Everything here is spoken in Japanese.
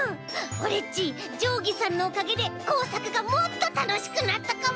オレっちじょうぎさんのおかげでこうさくがもっとたのしくなったかも！